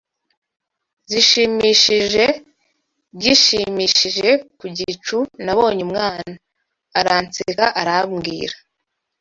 zishimishije gishimishije Ku gicu nabonye umwana. Aranseka arambwira